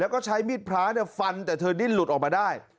แล้วก็ใช้มีดพระฟันแต่เธอดิ้นหลุดออกมาได้